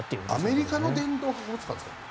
アメリカの殿堂博物館ですから。